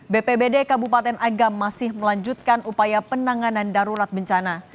bpbd kabupaten agam masih melanjutkan upaya penanganan darurat bencana